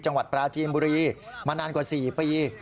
จังหวัดปราจีนบุรีมานานกว่า๔ปี